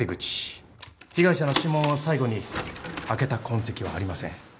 被害者の指紋を最後に開けた痕跡はありません。